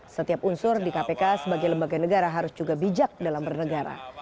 setiap unsur di kpk sebagai lembaga negara harus juga bijak dalam bernegara